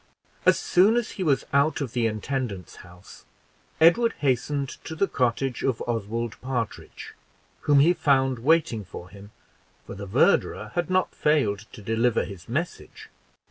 As soon as he was out of the intendant's house, Edward hastened to the cottage of Oswald Partridge, whom he found waiting for him, for the verderer had not failed to deliver his message.